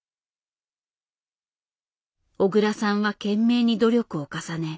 小倉さんは懸命に努力を重ね